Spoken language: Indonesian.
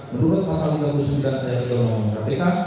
menurut pasal tiga puluh sembilan ayat tiga undang undang kpk